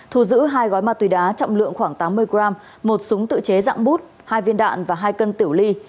thu giữ hai gói ma túy đá trọng lượng khoảng tám mươi g một súng tự chế dạng bút hai viên đạn và hai cân tiểu ly